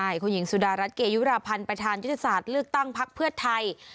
คุณหญิงสุดารัฐเกยุราพันธ์ประธานยุทธศาสตร์เลือกตั้งพักเพื่อไทย